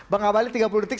bang abalin tiga puluh detik